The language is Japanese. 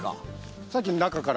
さっき中から。